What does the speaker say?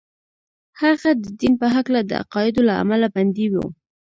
هغه د دين په هکله د عقايدو له امله بندي و.